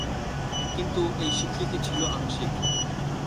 কিন্তু এই স্বীকৃতি ছিল আংশিক।